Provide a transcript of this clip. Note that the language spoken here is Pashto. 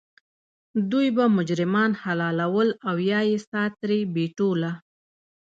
دوی به مجرمان حلالول او یا یې سا ترې بیټوله.